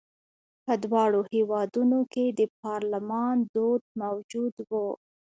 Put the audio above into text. په دواړو هېوادونو کې د پارلمان دود موجود و.